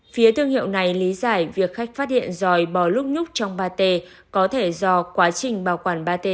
phía thương hiệu này lý giải việc khách phát hiện dòi bò lúc nhúc trong pate có thể do quá trình bảo quản pate